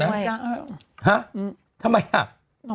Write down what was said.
ไม่อาจจะกล้าฉีดนะทำไมอ่ะ